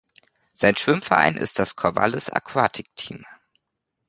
Sein Schwimmverein ist das "Corvallis Aquatic Team".